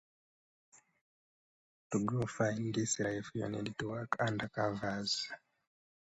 A small spreading plant found in sandstone ledges and crevices.